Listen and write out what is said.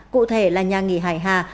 cụ thể là nhà nghỉ hải hà